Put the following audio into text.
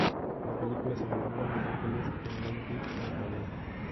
La película se filmó en Los Ángeles, en Long Beach y en Hawaii.